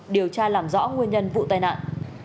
điều tra làm rõ nguyên nhân vụ tai nạn